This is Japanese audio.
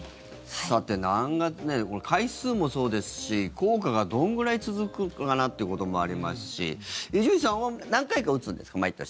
さて、何月回数もそうですし効果がどんぐらい続くかなということもありますし伊集院さんは何回か打つんですか？